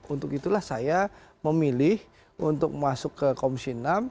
untuk itulah saya memilih untuk masuk ke komisi enam